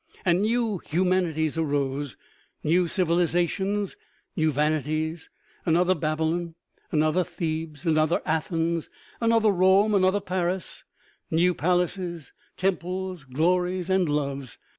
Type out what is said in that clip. And new humanities arose, new civilizations, new van ities, another Babylon, another Thebes, another Athens, another Rome, another Paris, new palaces, temples, glories and loves.